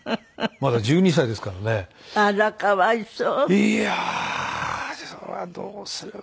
いやあそれはどうすれば。